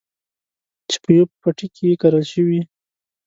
چې په يوه پټي کې کرل شوي.